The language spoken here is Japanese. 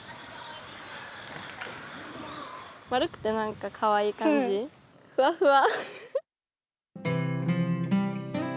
丸くてなんかかわいい感じふわふわ。